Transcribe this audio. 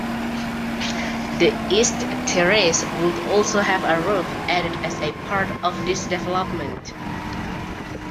The east terrace would also have a roof added as part of this development.